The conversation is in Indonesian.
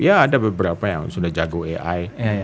ya ada beberapa yang sudah jago ai